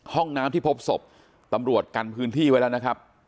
ห้องน้ำที่พบศพตำรวจกันพื้นที่ไว้แล้วนะครับ